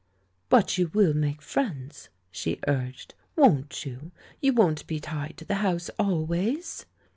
"But you will make friends," she urged; "won't you? You won't be tied to the house always?"